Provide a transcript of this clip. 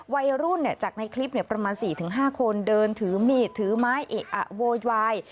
ไว้รุ่นเนี่ยจากในคลิปเนี่ยประมาณ๔๕คนเดินถือมีดถือไม้เอกอักโวยวาย